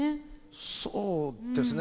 そうですね。